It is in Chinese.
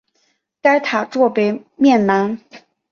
该塔座北面南。